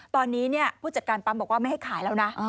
ตอนนี้ผู้จัดการปั๊มบอกว่าไม่ให้ขายแล้วนะ